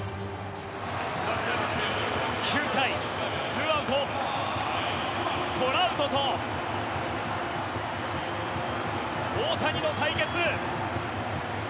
９回、ツーアウトトラウトと大谷の対決。